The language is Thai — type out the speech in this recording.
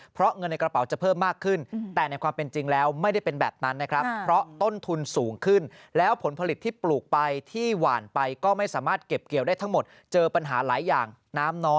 เพราะเงินในกระเป๋าจะเพิ่มมากขึ้น